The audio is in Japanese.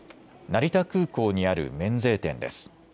成田空港にある免税店です。